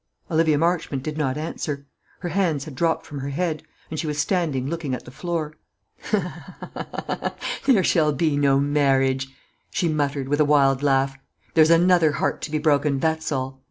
Olivia Marchmont did not answer. Her hands had dropped from her head, and she was standing looking at the floor. "There shall be no marriage," she muttered, with a wild laugh. "There's another heart to be broken that's all.